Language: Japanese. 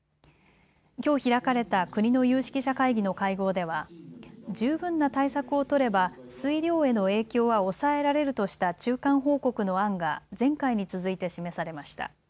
きょう開かれた国の有識者会議の会合では十分な対策を取れば水量への影響は抑えられるとした中間報告の案が前回に続いて示されました。